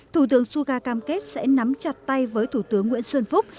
thủ tướng suga cam kết sẽ nắm chặt tay với thủ tướng nguyễn xuân phúc